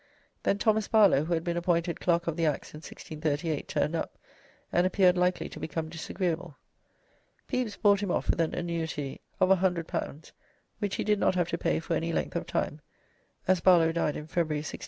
Then Thomas Barlow, who had been appointed Clerk of the Acts in 1638, turned up, and appeared likely to become disagreeable. Pepys bought him off with an annuity of too, which he did not have to pay for any length of time, as Barlow died in February, 1664 65.